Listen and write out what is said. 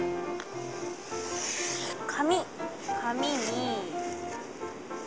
紙紙に。